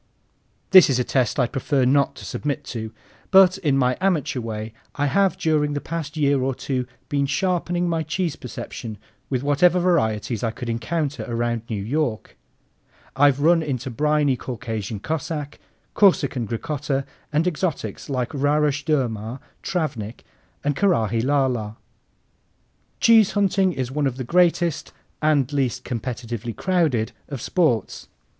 This is a test I'd prefer not to submit to, but in my amateur way I have during the past year or two been sharpening my cheese perception with whatever varieties I could encounter around New York. I've run into briny Caucasian Cossack, Corsican Gricotta, and exotics like Rarush Durmar, Travnik, and Karaghi La la. Cheese hunting is one of the greatest and least competitively crowded of sports.